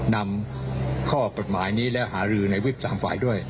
นำข้อปฏิบัติหมายนี้และหารือในวิทย์สามฝ่ายด้วย